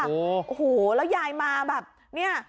โอ้โหแล้วยายมาแบบเนี่ย